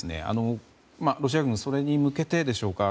ロシア軍それに向けてでしょうか。